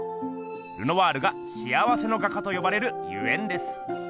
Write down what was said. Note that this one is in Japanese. ルノワールが「幸せの画家」とよばれるゆえんです。